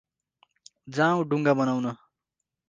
जाअौँ, डुङ्गा बगाउन ।